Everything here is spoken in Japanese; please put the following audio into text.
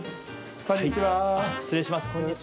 こんにちは。